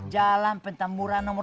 jalan pentamburan nomor lima